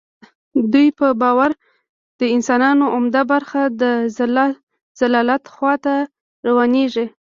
دوی په باور د انسانانو عمده برخه د ضلالت خوا ته روانیږي.